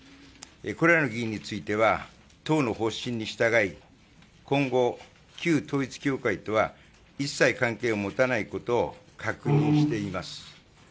これらの議員については党の方針に従い今後、旧統一教会とは一切関係を持たないことを確認しています。